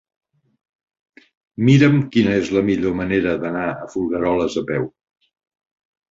Mira'm quina és la millor manera d'anar a Folgueroles a peu.